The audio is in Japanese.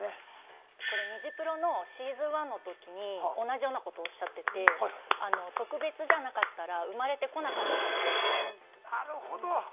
これニジプロのＳｅａｓｏｎ１のときに同じようなことをおっしゃってて、特別じゃなかったら生まれてこなかったはずです。